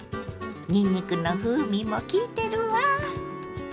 にんにくの風味もきいてるわ。